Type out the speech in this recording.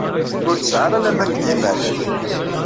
Ur tesɛi ara laman deg yimal.